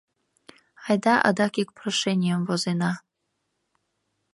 Айда адак ик прошенийым возена...